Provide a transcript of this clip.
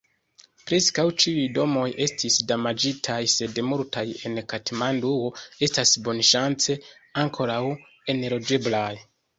Preskaŭ ĉiuj domoj estis damaĝitaj, sed multaj en Katmanduo estas bonŝance ankoraŭ enloĝeblaj.